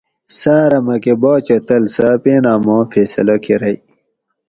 سارہ مکہ باچہ تل سہ اپینہ ماں فیصلہ کۤرئی